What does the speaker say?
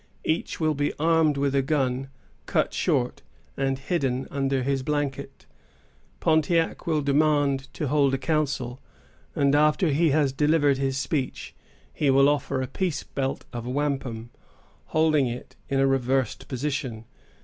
Each will be armed with a gun, cut short, and hidden under his blanket. Pontiac will demand to hold a council; and after he has delivered his speech, he will offer a peace belt of wampum, holding it in a reversed position.